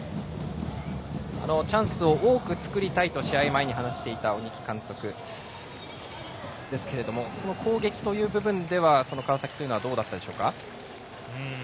チャンスを多く作りたいと試合前に話していた鬼木監督ですけども攻撃という部分では川崎はどうでしたか。